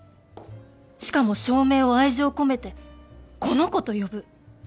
しかも照明を愛情込めて「この子」と呼ぶ。